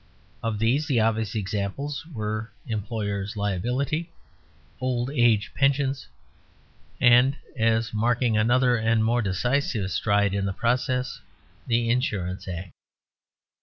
Of these the obvious examples were Employers' Liability, Old Age Pensions, and, as marking another and more decisive stride in the process, the Insurance Act.